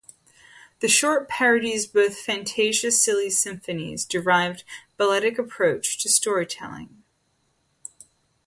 The short parodies both "Fantasia"'s Silly Symphonies-derived balletic approach to storytelling.